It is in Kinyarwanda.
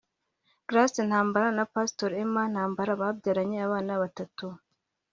Grace Ntambara na Pastor Emma Ntambara babyaranye abana batatu